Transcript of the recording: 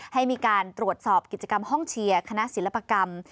ให้มีการตรวจสอบกิจกรรมห้องเชียร์คณะศิลปกรรม